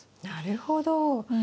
なるほど。